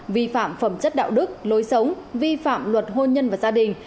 vi phạm phẩm chất đạo đức lối sống vi phạm luật hôn nhân và gia đình